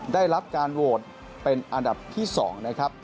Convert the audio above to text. ได้รับการโหวตเป็นอันดับที่๒นะครับ